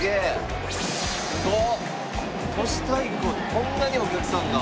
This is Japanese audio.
こんなにお客さんが。